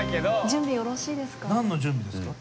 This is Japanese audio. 準備よろしいですか？